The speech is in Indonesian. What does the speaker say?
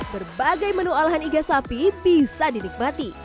berbagai menu olahan iga sapi bisa dinikmati